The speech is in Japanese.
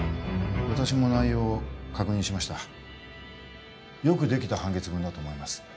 私も内容を確認しましたよくできた判決文だと思います